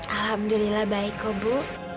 alhamdulillah baik kok bu